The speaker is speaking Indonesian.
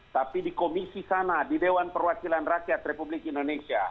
tapi di komisi sana di dewan perwakilan rakyat republik indonesia